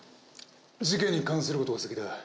事件に関することが先だ。